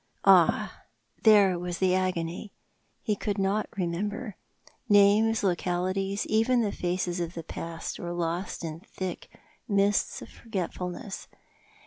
Ah, there was the agony ! He could not remember. Names, localities, even the faces of the past were lost in the thick mists of forgetfulness.